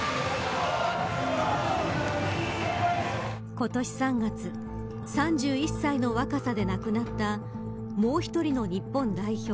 今年３月３１歳の若さで亡くなったもう一人の日本代表